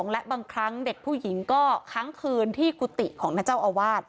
และบางครั้งเด็กผู้หญิงก็ค้างคืนที่กุฏิของท่านเจ้าอาวาส